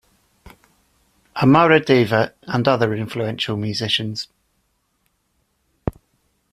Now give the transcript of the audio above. Amaradeva, and other influential musicians.